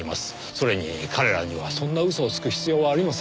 それに彼らにはそんな嘘をつく必要はありません。